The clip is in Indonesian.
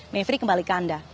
mevri kembali ke anda